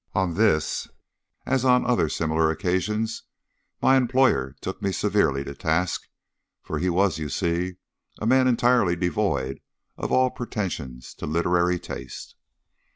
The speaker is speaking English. On this, as on other similar occasions, my employer took me severely to task for he was, you see, a man entirely devoid of all pretensions to literary taste!